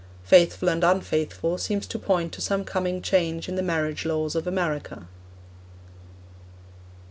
Faithful and Unfaithful seems to point to some coming change in the marriage laws of America.